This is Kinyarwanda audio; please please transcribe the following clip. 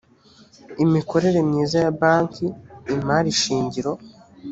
imikorere myiza ya banki imari shingiro